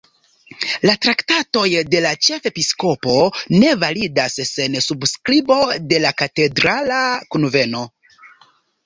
La traktatoj de la ĉefepiskopo ne validas sen subskribo de la katedrala kunveno.